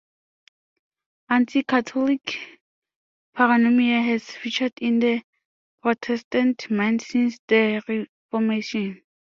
Anti-Catholic paranoia has featured in the Protestant mind since the Reformation.